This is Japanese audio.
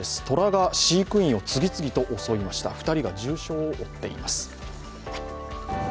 虎が飼育員を次々と襲いました、２人が重傷を負っています。